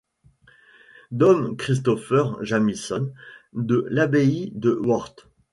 Dom Christopher Jamison, de l'abbaye de Worth.